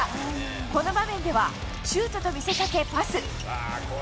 この場面ではシュートと見せかけパス。